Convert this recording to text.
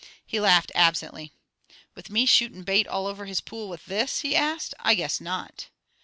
He laughed absently. "With me shootin' bait all over his pool with this?" he asked. "I guess not!"